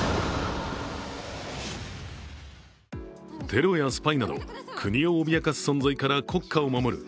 テロやスパイなど国を脅かす存在から国家を守る